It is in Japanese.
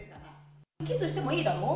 キスしてもいいだろう。